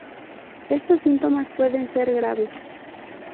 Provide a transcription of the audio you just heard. Estos síntomas pueden ser graves.